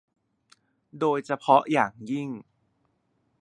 โดยเฉพาะอย่างยิ่ง